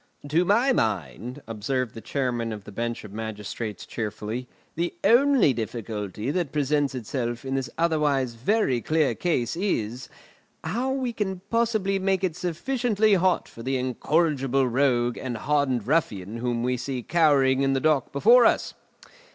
"To my mind," observed the Chairman of the Bench of Magistrates cheerfully, "the only difficulty that presents itself in this otherwise very clear case is, how we can possibly make it sufficiently hot for the incorrigible rogue and hardened ruffian whom we see cowering in the dock before us.